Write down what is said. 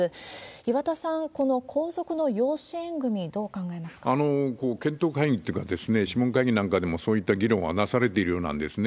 岩田さん、この皇族の養子縁組み、検討会議というか、諮問会議なんかでもそういった議論はなされているようなんですね。